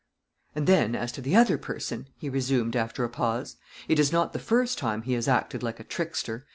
"And then, as to the other person," he resumed, after a pause, "it is not the first time he has acted like a trickster.